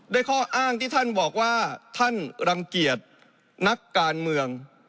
ข้ออ้างที่ท่านบอกว่าท่านรังเกียจนักการเมือง